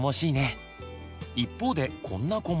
一方でこんな子も。